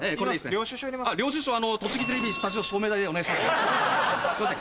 領収書とちぎテレビスタジオ照明代でお願いします